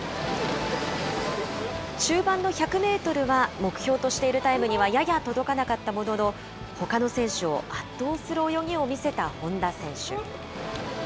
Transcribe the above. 中盤の１００メートルは目標としているタイムにはやや届かなかったものの、ほかの選手を圧倒する泳ぎを見せた本多選手。